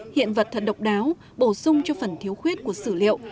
hiện vật thật độc đáo bổ sung cho phần thiếu khuyết của sử liệu